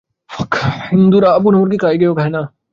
হিঁদুরা বুনো মুরগী খায়, গেঁয়ো খায় না।